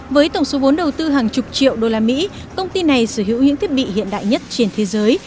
với tổng số vốn đầu tư hàng chục triệu usd công ty này sở hữu những thiết bị hiện đại nhất trên thế giới